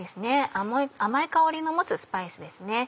甘い香りを持つスパイスですね。